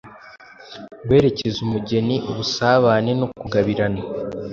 guherekeza umugeni, ubusabane nokugabirana